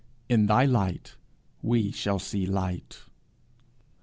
'In thy light we shall see light.'